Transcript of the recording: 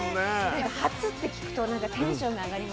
なんか「初」って聞くとなんかテンションが上がります。